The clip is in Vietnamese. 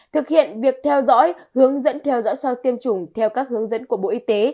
thực hiện việc theo dõi hướng dẫn theo dõi sau tiêm chủng theo các hướng dẫn của bộ y tế